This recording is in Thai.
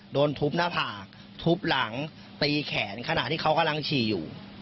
โดนทุบหน้าผากทุบหลังตีแขนขณะที่เขากำลังฉี่อยู่